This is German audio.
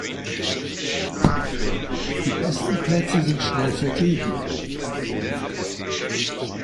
Die besten Plätze sind schnell vergeben.